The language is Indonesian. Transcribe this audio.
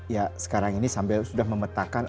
ya sekarang ini sambil sudah memetakan